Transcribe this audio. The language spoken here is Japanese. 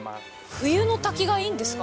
冬の滝がいいんですか？